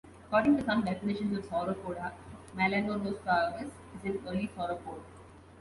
According to some definitions of Sauropoda, "Melanorosaurus" is an early sauropod.